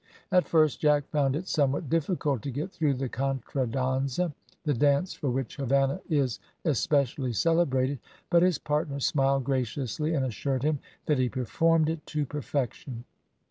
At first Jack found it somewhat difficult to get through the contradanza, the dance for which Havannah is especially celebrated, but his partner smiled graciously, and assured him that he performed it to perfection.